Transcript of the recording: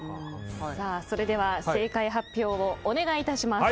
それでは、正解発表をお願いします。